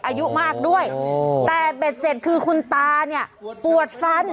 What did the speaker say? อายุมากด้วยแต่เบ็ดเสร็จคือคุณตาเนี่ยปวดฟัน